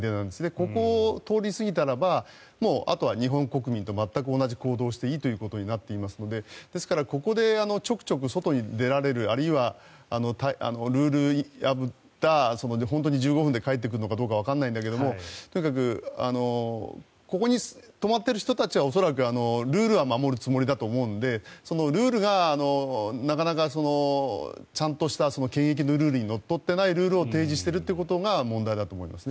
ここを通り過ぎたらもうあとは日本国民と全く同じ行動をしていいということになっていますのでですから、ここでちょくちょく外に出られるあるいはルールを破った本当に１５分で帰ってくるのかどうかわからないんだけどとにかくここに泊まっている人たちは恐らくルールは守るつもりだと思うのでルールがなかなかちゃんとした検疫のルールにのっとっていないルールを提示しているということが問題だと思います。